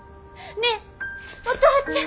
ねえお父ちゃん！